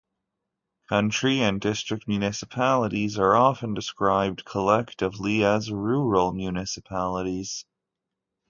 County and district municipalities are often described collectively as rural municipalities.